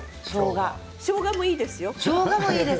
しょうがもいいですよ。